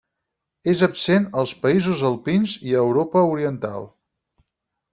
És absent als països alpins i a Europa Oriental.